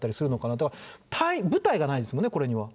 だから、ぶたいがないんですもんね、これには。